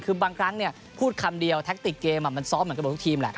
คือบางครั้งพูดคำเดียวแท็กติกเกมมันซ้อมเหมือนกับหมดทุกทีมแหละ